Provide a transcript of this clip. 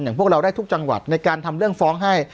พวกเราได้ทุกจังหวัดในการทำเรื่องฟ้องให้